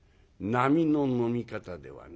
「並の飲み方ではない。